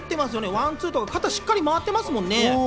ワンツーとか、しっかり肩が回ってますもんね。